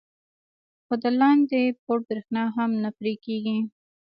خو د لاندې پوړ برېښنا هم نه پرې کېږي.